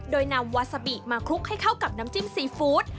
โดยนำวาซาบิมาคลุกให้เข้ากับน้ำจิ้มซีฟู้ด